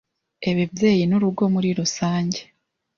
Ebebyeyi n’urugo muri rusenge